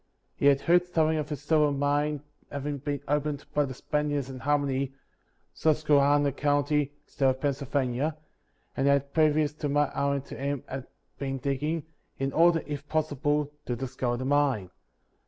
He had heard something of a silver mine having been opened by the Spaniards in Harmony, Susquehanna county, state of Pennsylvania; and had, previous to my hiring to him, been digging, in order, if possible, to discover the mine.